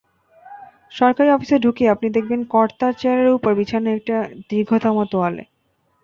সরকারি অফিসে ঢুকে আপনি দেখবেন কর্তার চেয়ারের ওপর বিছানো একটি দীর্ঘতম তোয়ালে।